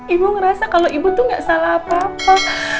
ibu ngerasa kalau ibu tuh gak salah apa apa